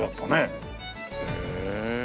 へえ。